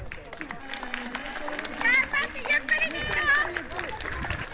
頑張って、ゆっくりでいいよ。